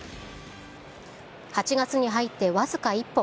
８月に入って僅か１本。